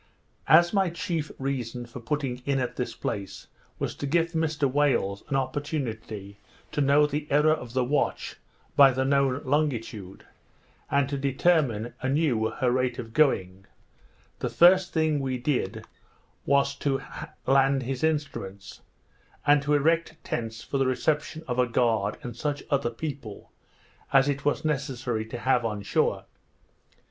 As my chief reason for putting in at this place was to give Mr Wales an opportunity to know the error of the watch by the known longitude, and to determine anew her rate of going, the first thing we did was to land his instruments, and to erect tents for the reception of a guard and such other people as it was necessary to have on shore.